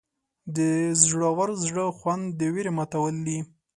د زړور زړه خوند د ویرې ماتول دي.